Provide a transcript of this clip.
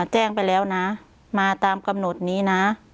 แจ้งไปแล้วนะมาตามกำหนดนี้นะ